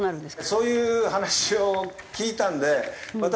そういう話を聞いたんで私